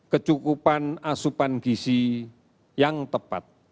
kecukupan asupan gisi yang tepat